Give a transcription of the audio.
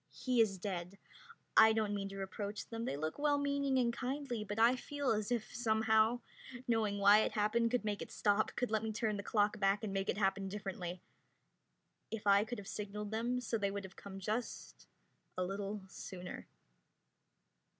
He is dead. I don't mean to reproach them they look well meaning and kindly but I feel as if, somehow, knowing why it happened could make it stop, could let me turn the clock back and make it happen differently. If I could have signaled them, so they would have come just a little sooner.